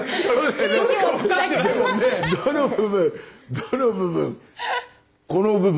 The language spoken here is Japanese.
どの部分？